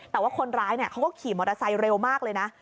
แต่ว่าคนร้ายเขาก็ขี่มอเตอร์ไซค์เร็วมากเลยนะ